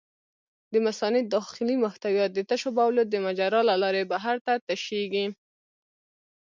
د مثانې داخلي محتویات د تشو بولو د مجرا له لارې بهر ته تشېږي.